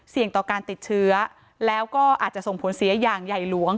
ต่อการติดเชื้อแล้วก็อาจจะส่งผลเสียอย่างใหญ่หลวง